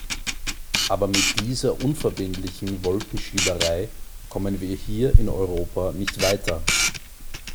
Aber mit dieser unverbindlichen Wolkenschieberei kommen wir hier in Europa nicht weiter.